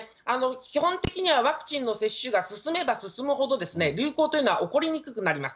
基本的にはワクチンの接種が進めば進むほど、流行というのは起こりにくくなります。